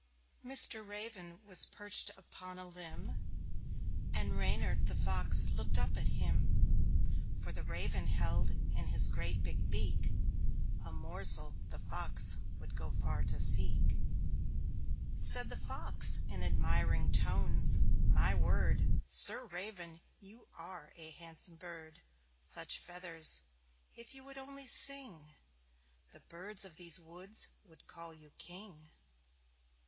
Mr. Raven was perched upon a limb, And Reynard the Fox looked up at him; For the Raven held in his great big beak A morsel the Fox would go far to seek. Said the Fox, in admiring tones: "My word! Sir Raven, you are a handsome bird. Such feathers! If you would only sing, The birds of these woods would call you King."